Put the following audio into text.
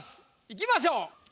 いきましょう。